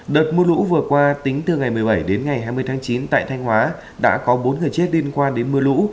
đợt mưa lũ vừa qua tính từ ngày một mươi bảy đến ngày hai mươi tháng chín tại thanh hóa đã có bốn người chết liên quan đến mưa lũ